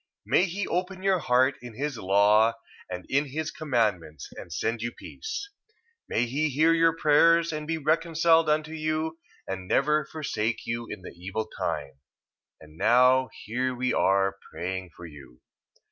1:4. May he open your heart in his law, and in his commandments, and send you peace. 1:5. May he hear your prayers, and be reconciled unto you, and never forsake you in the evil time. 1:6. And now here we are praying for you.